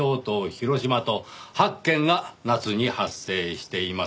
広島と８件が夏に発生しています。